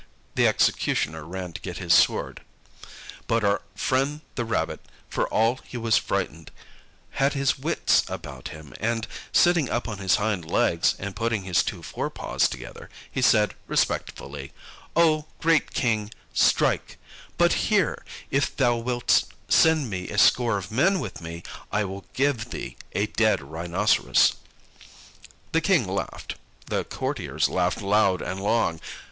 The executioner ran to get his sword. But our friend the Rabbit, for all he was frightened, had his wits about him; and sitting up on his hind legs, and putting his two fore paws together, he said respectfully, "O great King, strike, but hear. If thou wilt send a score of men with me, I will give thee a dead Rhinoceros." The King laughed, the courtiers laughed loud and long.